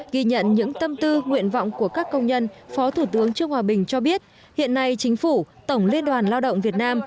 ghi nhận những tâm tư nguyện vọng của các công nhân phó thủ tướng trương hòa bình cho biết hiện nay chính phủ tổng liên đoàn lao động việt nam